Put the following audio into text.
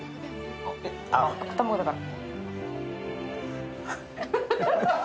卵だから？